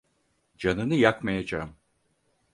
Canını yakmayacağım.